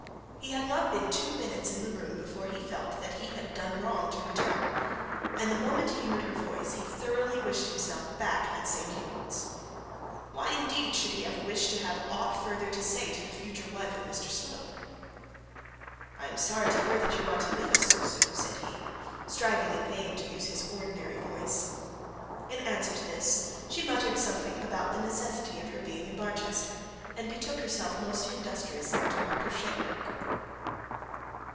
He had not been two minutes in the room before he felt that he had done wrong in return; and the moment he heard her voice, he thoroughly wished himself back at St Ewold's. Why, indeed, should he have wished to have aught further to say to the future wife of Mr Slope? 'I am sorry to hear that you are too leave so soon,' said he, striving in vain to use his ordinary voice. In answer to this she muttered something about the necessity of her being in Barchester, and betook herself industriously to her crochet work.